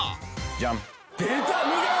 ジャンッ。